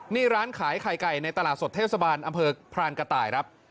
นี่ร้านขายไข่ไก่ในตลาดสดเทศบาลอำเภอพรานกระต่ายครับ